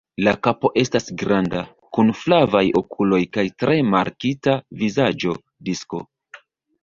La kapo estas granda, kun flavaj okuloj kaj tre markita vizaĝo disko.